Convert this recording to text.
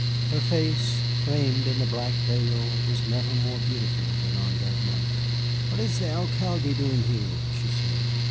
Her face, framed in the black veil, was never more beautiful than on that night. "What is the Alcalde doing here?" she said.